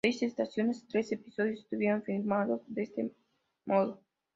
Seis estación tres episodios estuvieron filmados de este modo.